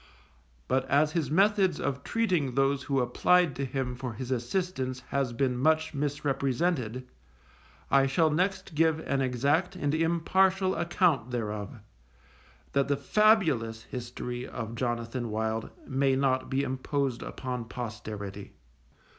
But as his methods of treating those who applied to him for his assistance has been much misrepresented, I shall next give an exact and impartial account thereof, that the fabulous history of Jonathan Wild may not be imposed upon posterity.